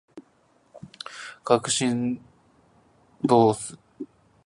角振動数